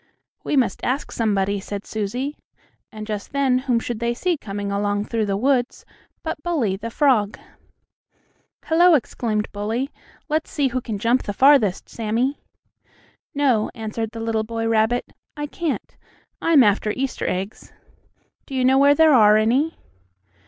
"We must ask somebody," said Susie, and just then whom should they see coming along through the woods but Bully, the frog. "Hello!" exclaimed Bully, "let's see who can jump the farthest, Sammie." "No," answered the little boy rabbit, "I can't; I am after Easter eggs. Do you know where there are any?"